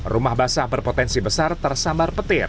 rumah basah berpotensi besar tersambar petir